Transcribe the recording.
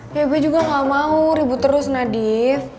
ya gue juga gak mau ribut terus nadif